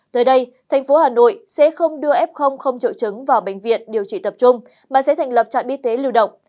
tới đây thành phố hà nội sẽ không đưa f không triệu chứng vào bệnh viện điều trị tập trung mà sẽ thành lập trạm y tế lưu động